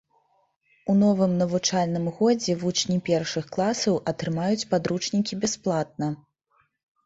У новым навучальным годзе вучні першых класаў атрымаюць падручнікі бясплатна.